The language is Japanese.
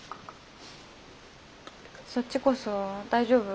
そっちこそ大丈夫？